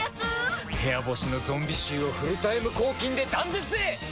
部屋干しのゾンビ臭をフルタイム抗菌で断絶へ！